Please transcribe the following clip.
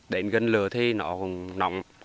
đến gần lửa thì nó cũng nóng